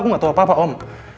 aku gak tahu apa apa om